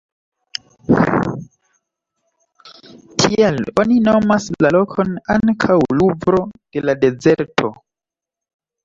Tial oni nomas la lokon ankaŭ ""Luvro de la dezerto"".